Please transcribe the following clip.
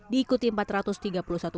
diikuti empat ratus tiga orang